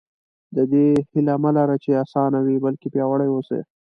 د دې هیله مه لره چې اسانه وي بلکې پیاوړي اوسئ.